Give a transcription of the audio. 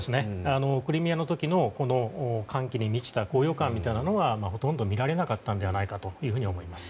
クリミアの時の歓喜に満ちた高揚感みたいなものはほとんど見られなかったのではないかと思います。